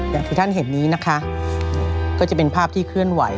อย่างที่ท่านเห็นนี้นะคะก็จะเป็นภาพที่เคลื่อนไหว